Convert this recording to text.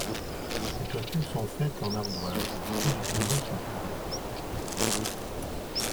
Les toitures sont faites en ardoise et tous les pignons sont couverts.